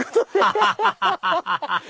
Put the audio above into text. ハハハハハ！